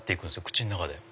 口の中で。